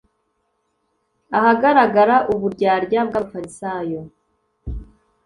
ahagaragara uburyarya bw'abafarisayo